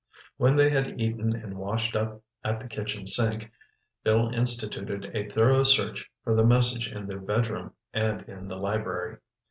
When they had eaten and washed up at the kitchen sink, Bill instituted a thorough search for the message in their bedroom and in the library.